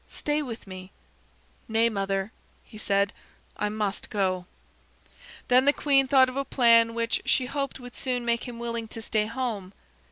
Stay with me." "Nay, mother," he said. "I must go." Then the queen thought of a plan which she hoped would soon make him willing to stay home.